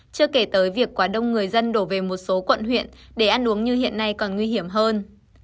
chưa kể tới việc quá đông người dân đổ về một số quận huyện để ăn uống như hiện nay còn nguy hiểm hơn